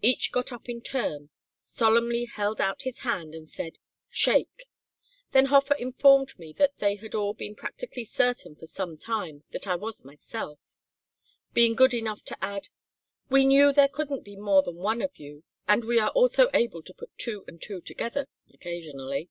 Each got up in turn, solemnly held out his hand, and said, 'Shake.' Then Hofer informed me that they had all been practically certain for some time that I was myself; being good enough to add: 'We knew there couldn't be more than one of you; and we are also able to put two and two together, occasionally.